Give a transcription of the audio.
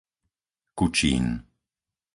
Kučín